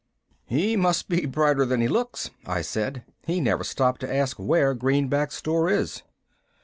"He must be brighter than he looks," I said. "He never stopped to ask where Greenback's store is."